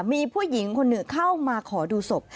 มีผู้หญิงคนหนึ่งเข้ามาขอดูศพ